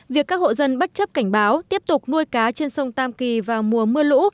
việc các hộ dân bất chấp cảnh báo tiếp tục nuôi cá trên sông tam kỳ vào mùa mưa lũ